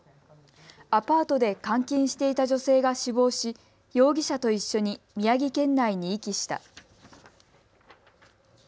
アパートで監禁していた女性が死亡し容疑者と一緒に宮城県内に遺棄した。